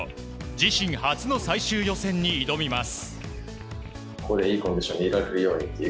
自身初の最終予選に挑みます。